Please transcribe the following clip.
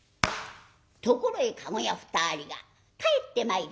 ところへ駕籠屋２人が帰ってまいりました。